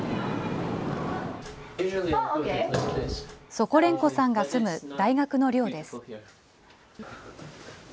ソコレンコさんが住む大学の寮です。